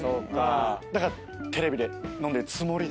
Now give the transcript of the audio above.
だからテレビで飲んでるつもりで。